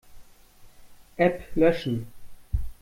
App löschen.